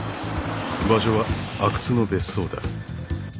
場所は阿久津の別荘だ。